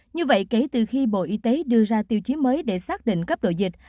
như vậy kể từ khi bộ y tế đưa ra tiêu chí mới để xác định cấp độ dịch